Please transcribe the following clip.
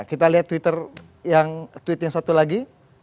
kita lihat twitter yang tweet yang satu lagi